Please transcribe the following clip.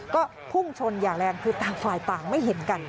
ก็พุ่งชนอย่างแรงคือต่างฝ่ายต่างไม่เห็นกัน